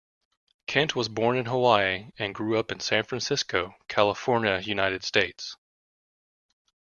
Kent was born in Hawaii and grew up in San Francisco, California, United States.